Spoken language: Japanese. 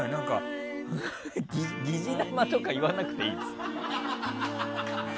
疑似生とか言わなくていいです。